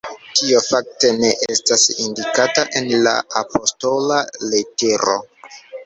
Tio fakte ne estas indikata en la apostola letero”.